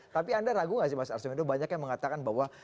tapi anda ragu gak sih mas arswendo banyak yang mengatakan bahwa